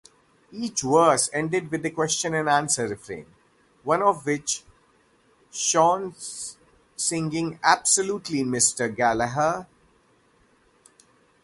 Each verse ended with a question-and-answer refrain, one of which-Shean singing Absolutely, Mister Gallagher?